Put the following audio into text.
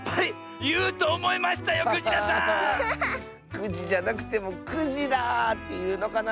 ９じじゃなくても「９じら」っていうのかな？